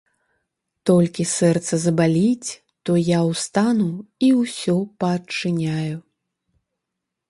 Толькі сэрца забаліць, то я ўстану і ўсё паадчыняю.